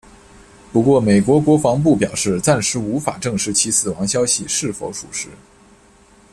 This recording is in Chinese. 不过美国国防部表示暂时无法证实其死亡消息是否属实。